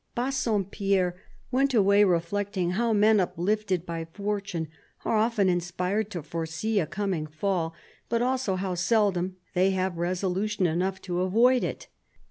Bassompierre went away reflecting how men uplifted by fortune are often inspired to foresee a coming fall ; but also how seldom they have resolution enough to avoid it.